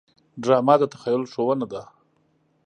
ډرامه د تخیل ښودنه ده